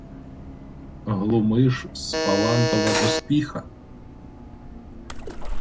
Глумиш з Паллантова доспіха